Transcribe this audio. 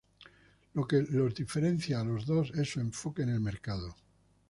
Lo que los diferencia a los dos es su enfoque en el mercado.